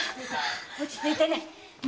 落ち着いてね。